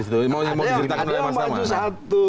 ada yang maju satu